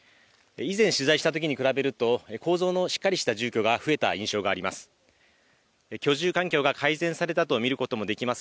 以前、取材したときと比べると、構造のしっかりした住居が増えた印象があります。